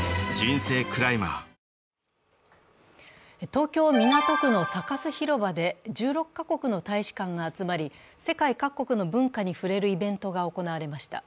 東京・港区のサカス広場で、１６か国の大使館が集まり、世界各国の文化に触れるイベントが行われました。